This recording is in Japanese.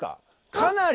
かなり。